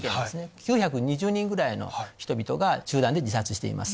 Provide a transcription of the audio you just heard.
９２０人ぐらいの人々が集団で自殺しています。